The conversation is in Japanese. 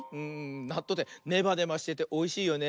なっとうってネバネバしてておいしいよね。